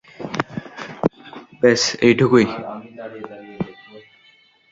ব্যাস, এটুকুই।